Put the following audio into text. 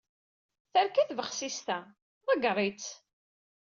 Terka tbexsist-a. Ḍegger-itt.